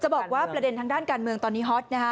บอกว่าประเด็นทางด้านการเมืองตอนนี้ฮอตนะฮะ